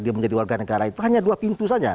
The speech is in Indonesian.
dia menjadi warga negara itu hanya dua pintu saja